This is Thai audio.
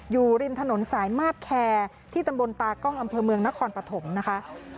อยู่ริมถนนสายมาบแคร์ที่ตำบลตากล้องอำเภอเมืองนครปฐมนะคะ